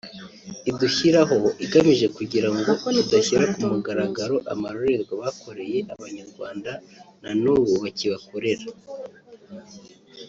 idushyiraho igamije kugirango tudashyira ku mugaragaro amarorerwa bakoreye abanyarwanda na n’ubu bakibakorera